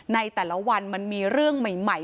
ในแต่ละวันมันมีเรื่องใหม่